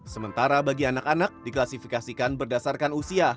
sementara bagi anak anak diklasifikasikan berdasarkan usia